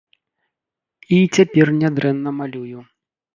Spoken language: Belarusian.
І цяпер нядрэнна малюю.